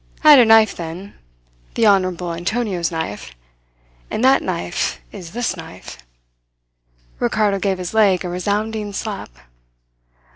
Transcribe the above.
I had a knife then the honourable Antonio's knife; and that knife is this knife. "Ricardo gave his leg a resounding slap.